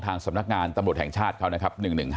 สำนักงานตำรวจแห่งชาติเขานะครับ